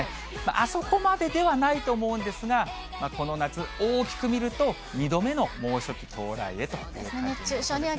あそこまでではないと思うんですが、この夏、大きく見ると、２度目の猛暑日到来へということになりそうですね。